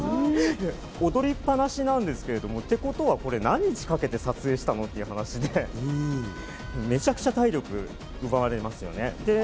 踊りっ放しなんですけれども、てことは、何日かけて撮影したの？という話で、めちゃくちゃ体力奪われますよね。